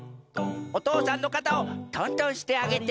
おとうさんのかたをとんとんしてあげて。